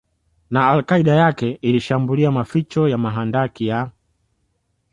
na Al Qaeda yake ilishambulia maficho ya mahandaki ya